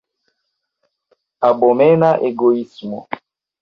Abomena egoismo!